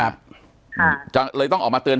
ปากกับภาคภูมิ